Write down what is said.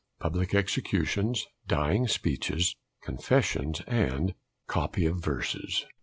PUBLIC EXECUTIONS, DYING SPEECHES. CONFESSIONS, AND COPY OF VERSES.